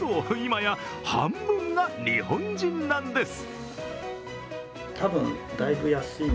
今や半分が日本人なんです。